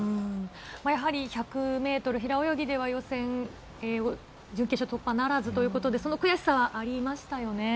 やはり１００メートル平泳ぎでは予選、準決勝突破ならずということで、その悔しさはありましたよね。